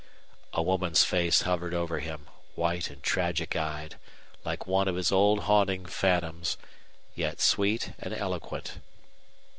A woman's face hovered over him, white and tragic eyed, like one of his old haunting phantoms, yet sweet and eloquent.